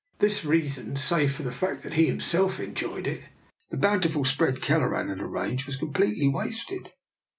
For this rea son, save for the fact that he himself enjoyed it, the bountiful spread Kelleran had arranged was completely wasted.